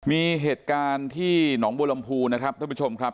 มีเหตุการณ์ที่หนองบัวลำพูนะครับท่านผู้ชมครับ